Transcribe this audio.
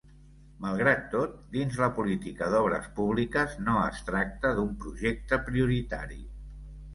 Malgrat tot, dins la política d'obres públiques no es tracta d'un projecte prioritari.